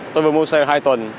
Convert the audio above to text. tôi vừa mua xe hai tuần